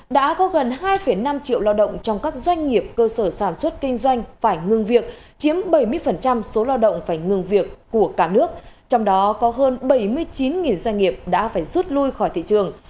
đã có gần hai năm triệu lao động trong các doanh nghiệp cơ sở sản xuất kinh doanh phải ngừng việc chiếm bảy mươi số lao động phải ngừng việc của cả nước trong đó có hơn bảy mươi chín doanh nghiệp đã phải rút lui khỏi thị trường